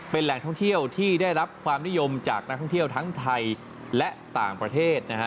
เป็นแหล่งท่องเที่ยวที่ได้รับความนิยมจากนักท่องเที่ยวทั้งไทยและต่างประเทศนะฮะ